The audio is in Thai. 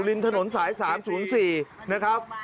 ริมถนนสาย๓๐๔นะครับ